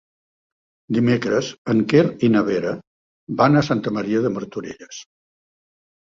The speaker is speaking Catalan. Dimecres en Quer i na Vera van a Santa Maria de Martorelles.